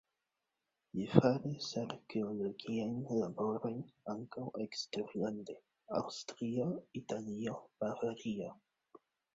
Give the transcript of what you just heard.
Li faris arkeologiajn laborojn ankaŭ eksterlande: Aŭstrio, Italio, Bavario.